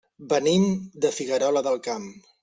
Venim de Figuerola del Camp.